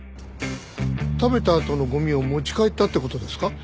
食べたあとのゴミを持ち帰ったって事ですか？